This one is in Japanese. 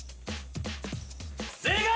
正解！